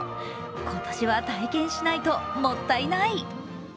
今年は体験しないともったいない。